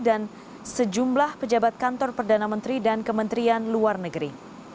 dan sejumlah pejabat kantor perdana menteri dan kementerian luar negeri